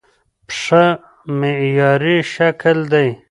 پښه معیاري شکل دی.